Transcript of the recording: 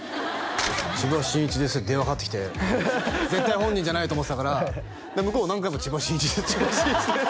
「千葉真一です」って電話かかってきて絶対本人じゃないと思ってたから向こうは何回も「千葉真一です千葉真一です」